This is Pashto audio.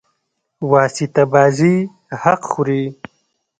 واسطه بازي حق خوري.